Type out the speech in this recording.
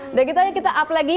udah gitu aja kita up lagi